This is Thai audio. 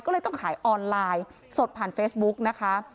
ก็เลยต้องขายออนไลน์สดผ่านเฟซบุ๊กนะคะ